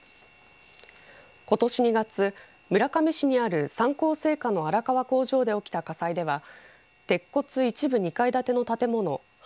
ことし２月、村上市にある三幸製菓の荒川工場で起きた火災では鉄骨一部２階建ての建物８８００